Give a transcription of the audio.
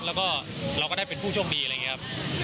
แล้วก็เราก็ได้เป็นผู้โชคดีอะไรอย่างนี้ครับ